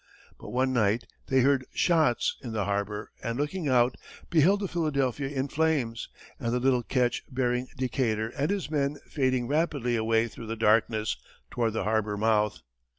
But one night, they heard shots in the harbor, and, looking out, beheld the Philadelphia in flames, and the little ketch bearing Decatur and his men fading rapidly away through the darkness toward the harbor mouth.